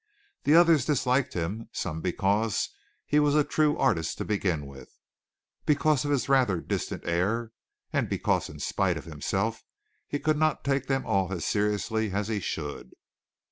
The others disliked him, some because he was a true artist to begin with, because of his rather distant air, and because in spite of himself he could not take them all as seriously as he should.